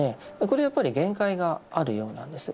これはやっぱり限界があるようなんです。